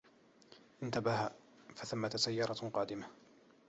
انتبه فثمّة سيارة قادمة!